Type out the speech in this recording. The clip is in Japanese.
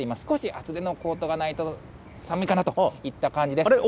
少し厚手のコートがないと寒いかなといった感じです。